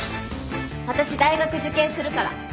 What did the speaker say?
私大学受験するから。